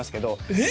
えっ！？